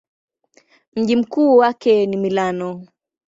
Mji mkuu wake ni Milano.